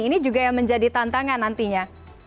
ini juga yang menjadi tantangan nantinya